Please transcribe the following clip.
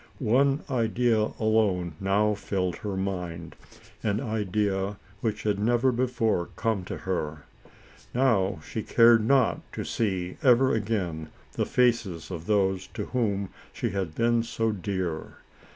One idea alone now filled her mind, an idea which had never before come to her. She now cared not to see ever again the faces of those to whom she had been so dear.